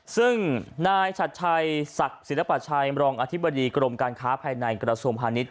ซึ่งนายชัดชัยศักดิ์ศิลปชัยมรองอธิบดีกรมการค้าภายในกระทรวงพาณิชย